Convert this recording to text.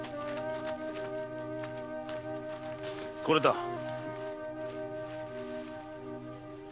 これだ！